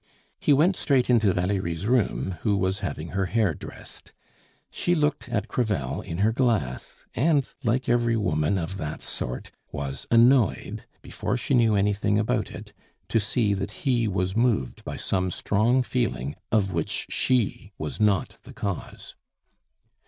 He went straight into Valerie's room, who was having her hair dressed. She looked at Crevel in her glass, and, like every woman of that sort, was annoyed, before she knew anything about it, to see that he was moved by some strong feeling of which she was not the cause.